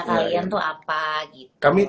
kalian tuh apa gitu